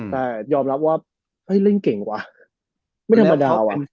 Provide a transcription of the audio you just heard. แต่ยอมรับว่าเฮ้ยเล่นเก่งวะไม่ธรรมดาว่ะ